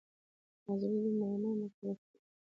حاضري د مامور مکلفیت دی